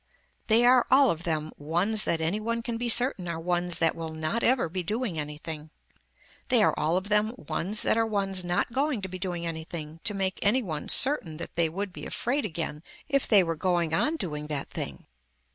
They are all of them ones that any one can be certain are ones that will not ever be doing anything. They are all of them ones that are ones not going to be doing anything to make any one certain that they would be afraid again if they were going on doing that thing.